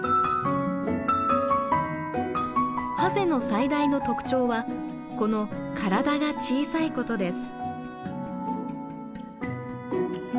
ハゼの最大の特徴はこの体が小さいことです。